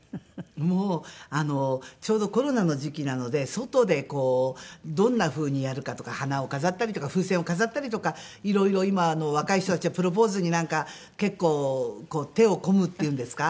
もうちょうどコロナの時期なので外でこうどんな風にやるかとか花を飾ったりとか風船を飾ったりとかいろいろ今若い人たちはプロポーズになんか結構手を込むっていうんですか？